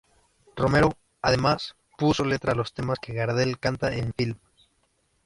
Romero, además, puso letra a los temas que Gardel canta en el filme.